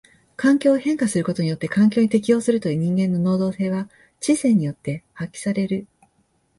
環境を変化することによって環境に適応するという人間の能動性は知性によって発揮される。